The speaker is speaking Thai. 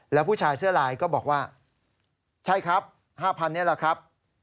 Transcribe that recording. แล้วผู้ชายเสื้อลายก็บอกว่าใช่ครับ๕๐๐นี่แหละครับ